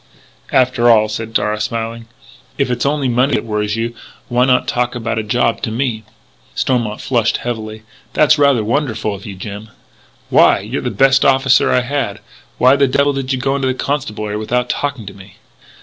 "After all," said Darragh, smiling, "if it's only money that worries you, why not talk about a job to me!" Stormont flushed heavily: "That's rather wonderful of you, Jim " "Why? You're the best officer I had. Why the devil did you go into the Constabulary without talking to me?"